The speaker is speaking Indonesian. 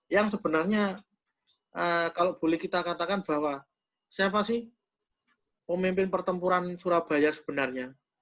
yang sebenarnya kalau boleh kita katakan bahwa siapa sih pemimpin pertempuran surabaya sebenarnya